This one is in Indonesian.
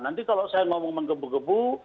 nanti kalau saya ngomong menggebu gebu